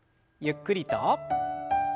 ゆっくりと。